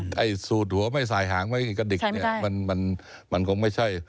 ถ้าสูดหัวไม่สายหางไม่กระดิกมันคงไม่ใช่